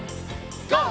ＧＯ！